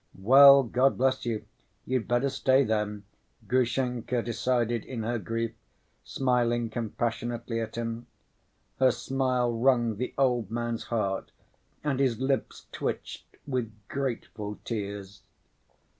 "Well, God bless you, you'd better stay, then," Grushenka decided in her grief, smiling compassionately at him. Her smile wrung the old man's heart and his lips twitched with grateful tears.